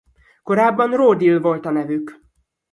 Korábban Raw Deal volt a nevük.